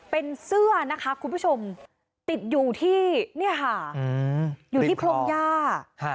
เป็นเสื้อนะคะคุณผู้ชมติดอยู่ที่เนี่ยค่ะอยู่ที่พรงย่า